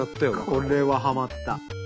これははまった。